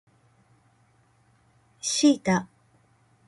シータ